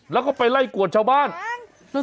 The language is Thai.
แล้วก็ไปไล่กวดชาวบ้าน